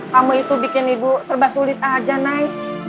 kamu itu bikin ibu serba sulit aja naik